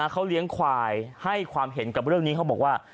เขาเลี้ยงควายให้ความเห็นกับเรื่องนี้เขาบอกว่า